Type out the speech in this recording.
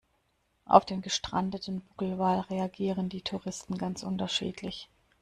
Auf den gestrandeten Buckelwal reagieren die Touristen ganz unterschiedlich.